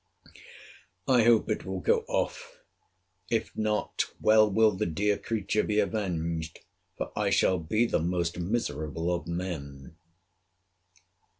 I hope it will go off. If not, well will the dear creature be avenged; for I shall be the most miserable of men.